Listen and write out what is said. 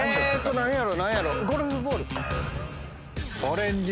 何やろ？